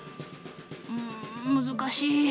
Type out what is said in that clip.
うん難しい。